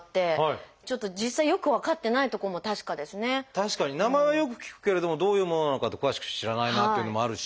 確かに名前はよく聞くけれどもどういうものなのかって詳しく知らないなっていうのもあるし。